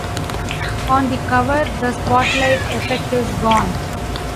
On the cover the spotlight effect is gone.